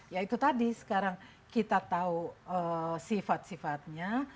ya itu tadi sekarang kita tahu sifat sifatnya